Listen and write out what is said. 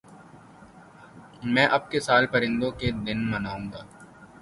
میں اب کے سال پرندوں کا دن مناؤں گا